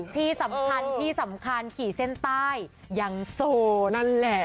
ที่สำคัญที่สำคัญขี่เส้นใต้ยังโซนั่นแหละ